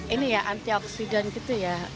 ini ya antioksidan gitu ya